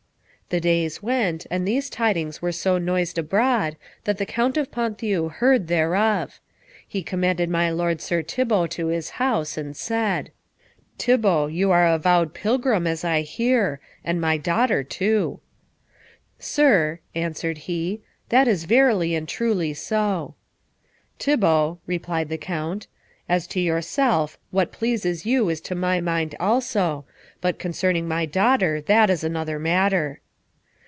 The days went, and these tidings were so noised abroad that the Count of Ponthieu heard thereof. He commanded my lord Sir Thibault to his house, and said, "Thibault, you are a vowed pilgrim, as I hear, and my daughter too!" "Sir," answered he, "that is verily and truly so." "Thibault," replied the Count, "as to yourself what pleases you is to my mind also, but concerning my daughter that is another matter."